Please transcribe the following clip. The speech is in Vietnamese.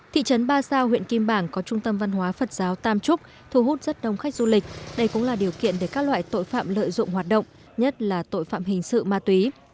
thị trấn ba sao huyện kim bảng có trung tâm văn hóa phật giáo tam trúc thu hút rất đông khách du lịch đây cũng là điều kiện để các loại tội phạm lợi dụng hoạt động nhất là tội phạm hình sự ma túy